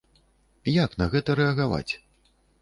Як на гэта рэагаваць?